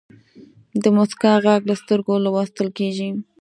د موسکا ږغ له سترګو لوستل کېږي.